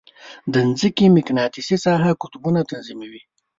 د مځکې مقناطیسي ساحه قطبونه تنظیموي.